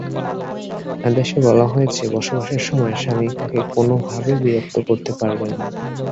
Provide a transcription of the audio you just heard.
আদেশে বলা হয়েছে, বসবাসের সময় স্বামী তাঁকে কোনোভাবে বিরক্ত করতে পারবেন না।